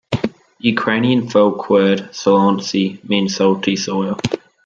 Ukrainian folk word "solontsi" means salty soil.